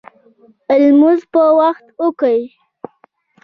لمونځ په وخت وکړئ